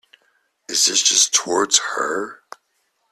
Is this just towards her?